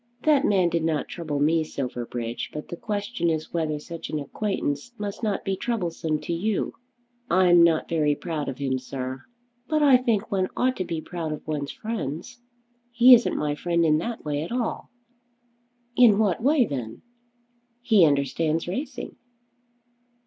"That man did not trouble me, Silverbridge; but the question is whether such an acquaintance must not be troublesome to you." "I'm not very proud of him, sir." "But I think one ought to be proud of one's friends." "He isn't my friend in that way at all." "In what way then?" "He understands racing."